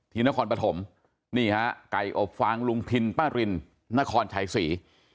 นครปฐมนี่ฮะไก่อบฟางลุงพินป้ารินนครชัยศรี